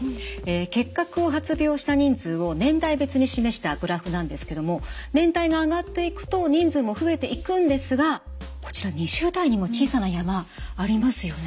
結核を発病した人数を年代別に示したグラフなんですけども年代が上がっていくと人数も増えていくんですがこちら２０代にも小さな山ありますよね？